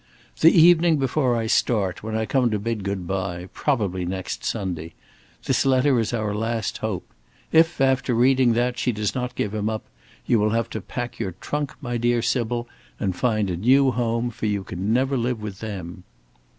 "The evening before I start, when I come to bid good bye; probably next Sunday. This letter is our last hope. If, after reading that, she does not give him up, you will have to pack your trunk, my dear Sybil, and find a new home, for you can never live with them."